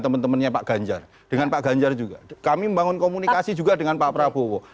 teman temannya pak ganjar dengan pak ganjar juga kami membangun komunikasi juga dengan pak prabowo